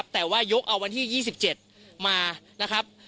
แต่ว่ายกเอาวันที่๒๗มา